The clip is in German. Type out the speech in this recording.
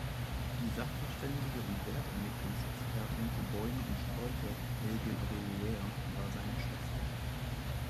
Die Sachverständige und Wertermittlungs-Expertin für Bäume und Sträucher Helge Breloer war seine Schwester.